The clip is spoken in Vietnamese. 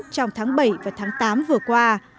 trong tháng bảy và tháng tám vừa qua